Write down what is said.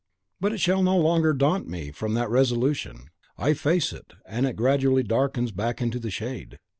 "But it shall no longer daunt me from that resolution. I face it, and it gradually darkens back into the shade."